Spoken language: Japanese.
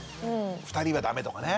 ２人はダメとかね。